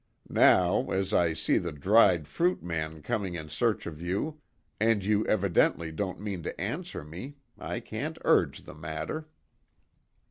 Now, as I see the dried fruit man coming in search of you, and you evidently don't mean to answer me, I can't urge the matter."